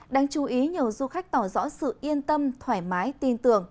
đáng chú ý nhiều du khách tỏ rõ sự yên tâm thoải mái tin tưởng